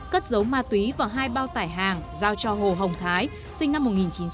cất dấu ma túy vào hai bao tải hàng giao cho hồ hồng thái sinh năm một nghìn chín trăm tám mươi ba